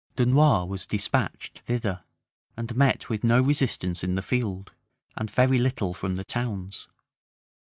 Dunois was despatched thither, and met with no resistance in the field, and very little from the towns.